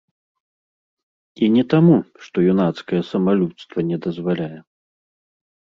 І не таму, што юнацкае самалюбства не дазваляе.